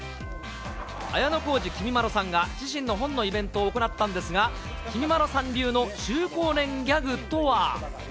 綾小路きみまろさんが、自身の本のイベントを行ったんですが、きみまろさん流の中高年ギャグとは？